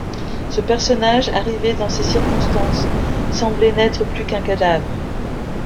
Ce personnage, arrivé dans ces circonstances, semblait n’être plus qu’un cadavre.